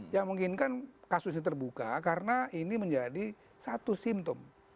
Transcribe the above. yang menginginkan kasusnya terbuka karena ini menjadi satu simptom